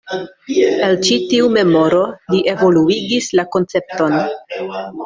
El ĉi tiu memoro li evoluigis la koncepton.